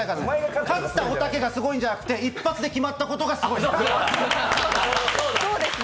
勝ったおたけがすごいんじゃなくて、一発で決まったことがすごいんです。